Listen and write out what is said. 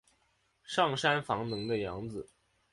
上杉房能的养子。